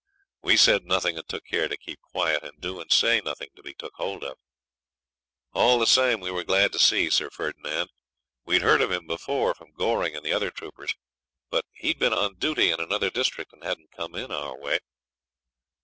We said nothing, and took care to keep quiet, and do and say nothing to be took hold of. All the same, we were glad to see Sir Ferdinand. We'd heard of him before from Goring and the other troopers; but he'd been on duty in another district, and hadn't come in our way.